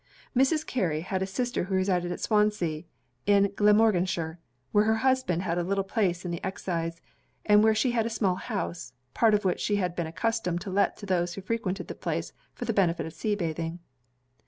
Mrs. Carey had a sister who resided at Swansea in Glamorganshire; where her husband had a little place in the excise, and where she had a small house, part of which she had been accustomed to let to those who frequented the place for the benefit of sea bathing.